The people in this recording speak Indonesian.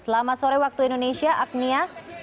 selamat sore waktu indonesia agnia